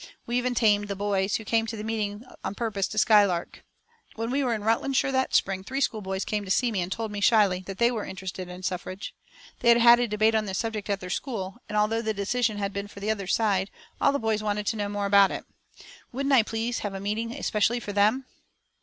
We even tamed the boys, who came to the meetings on purpose to skylark. When we were in Rutlandshire that spring three schoolboys came to see me and told me, shyly, that they were interested in suffrage. They had had a debate on the subject at their school, and although the decision had been for the other side, all the boys wanted to know more about it. Wouldn't I please have a meeting especially for them?